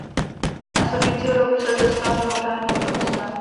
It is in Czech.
Následujícího roku se zde stal mimořádným profesorem.